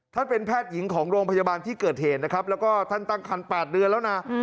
เป็นแพทย์หญิงของโรงพยาบาลที่เกิดเหตุนะครับแล้วก็ท่านตั้งคัน๘เดือนแล้วนะ